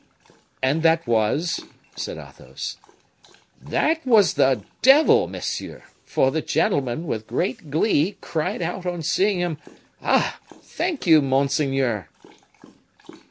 "And that was " said Athos. "That was the devil, monsieur; for the gentleman, with great glee, cried out, on seeing him: 'Ah! thank you, monseigneur!